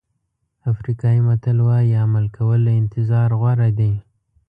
افریقایي متل وایي عمل کول له انتظار غوره دي.